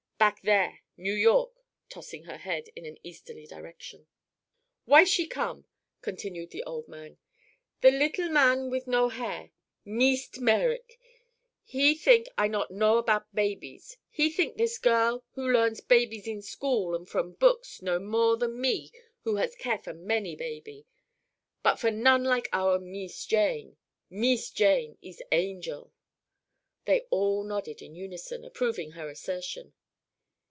"Back there. New York," tossing her head in an easterly direction. "Why she come?" continued the old man. "The little mans with no hair—Meest Merrick—he think I not know about babies. He think this girl who learns babies in school, an' from books, know more than me who has care for many baby—but for none like our Mees Jane. Mees Jane ees angel!" They all nodded in unison, approving her assertion.